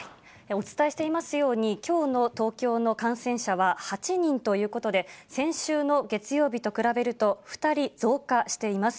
お伝えしていますように、きょうの東京の感染者は８人ということで、先週の月曜日と比べると、２人増加しています。